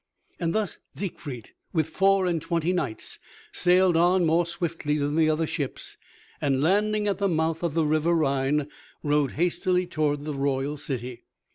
Thus Siegfried with four and twenty knights sailed on more swiftly than the other ships, and landing at the mouth of the river Rhine, rode hastily toward the royal city.